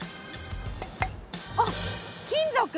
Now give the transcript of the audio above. あっ金属！